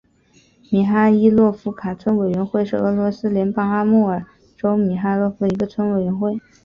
米哈伊洛夫卡村委员会是俄罗斯联邦阿穆尔州米哈伊洛夫卡区所属的一个村委员会。